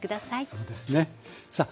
そうですねさあ